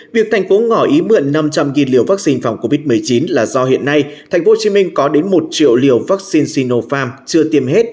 việc thành phố ngỏ ý mượn năm trăm linh liều vaccine phòng covid một mươi chín là do hiện nay thành phố hồ chí minh có đến một triệu liều vaccine sinopharm chưa tiêm hết